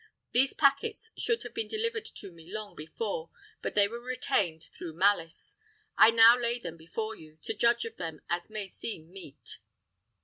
These packets should have been delivered to me long before, but they were retained through malice. I now lay them before you, to judge of them as may seem meet."